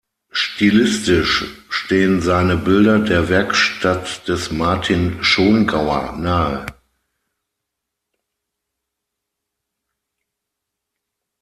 Stilistisch stehen seine Bilder der Werkstatt des Martin Schongauer nahe.